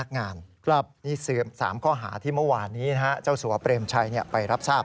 นะฮะ